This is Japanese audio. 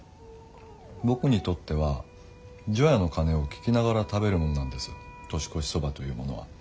僕にとっては除夜の鐘を聞きながら食べるものなんです「年越しそば」というものは。